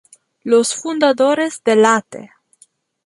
Los fundadores de Late!